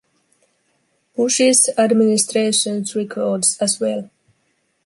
Bush's administration's records as well.